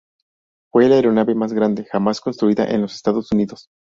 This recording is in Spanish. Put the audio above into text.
Fue la aeronave más grande jamás construida en los Estados Unidos.